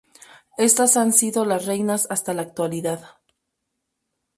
Estas han sido las reinas hasta la actualidad.